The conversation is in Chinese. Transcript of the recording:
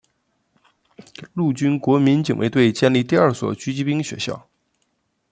陆军国民警卫队建立第二所狙击兵学校。